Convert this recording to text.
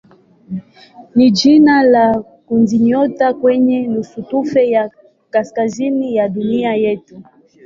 ni jina la kundinyota kwenye nusutufe ya kaskazini ya dunia yetu.